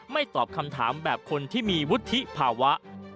ตอบคำถามแบบคนที่มีวุฒิภาวะ